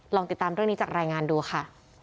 ติดตามเรื่องนี้จากรายงานดูค่ะ